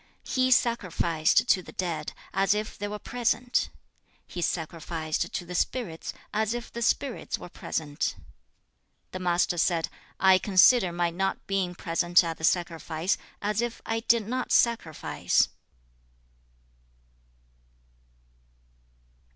He sacrificed to the dead, as if they were present. He sacrificed to the spirits, as if the spirits were present. 2. The Master said, 'I consider my not being present at the sacrifice, as if I did not sacrifice.'